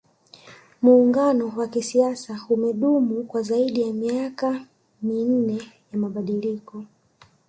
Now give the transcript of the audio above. muungano wa kisiasa umedumu kwa zaidi ya miaka minne ya mabadiliko